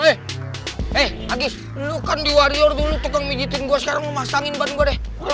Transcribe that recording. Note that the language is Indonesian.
eh agis lu kan diwarior dulu tukang mijetin gue sekarang pasangin ban gue deh